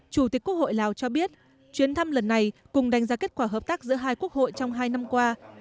chủ tịch quốc hội lào cho biết chuyến thăm lần này cùng đánh giá kết quả hợp tác giữa hai quốc hội trong hai năm qua